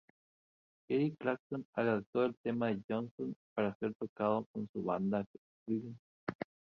Eric Clapton adaptó el tema de Johnson para ser tocado con su banda Cream.